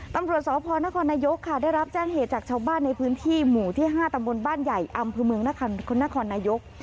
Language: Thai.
ตำรวจสพนครนายกค่ะได้รับแจ้งเหตุจากชาวบ้านในพื้นที่หมู่ที่๕ตำบลบ้านใหญ่อำเภอเมืองนครนายก